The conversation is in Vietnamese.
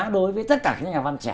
đối với tất cả các nhà văn trẻ